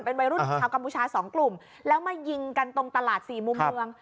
วัยรุ่นชาวกัมพูชาสองกลุ่มแล้วมายิงกันตรงตลาดสี่มุมเมือง